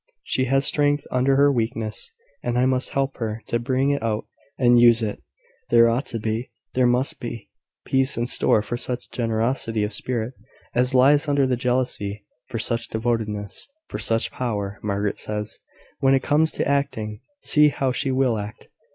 She has strength under her weakness, and I must help her to bring it out and use it. There ought to be, there must be, peace in store for such generosity of spirit as lies under the jealousy, for such devotedness, for such power. Margaret says, `When it comes to acting, see how she will act.'